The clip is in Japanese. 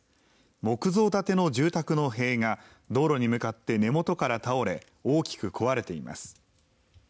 木造建ての住宅の塀が道路に向かって根元から倒れ大きく壊れています。